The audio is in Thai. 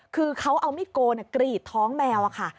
คือเขาเอามิดโกนกรีดท้องแมวค่ะ